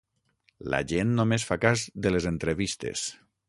La gent només fa cas de les entrevistes.